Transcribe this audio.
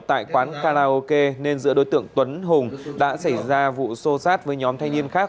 tại quán karaoke nên giữa đối tượng tuấn hùng đã xảy ra vụ xô sát với nhóm thanh niên khác